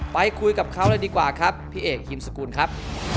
ไปคุยกับเขาเลยดีกว่าครับพี่เอกฮิมสกุลครับ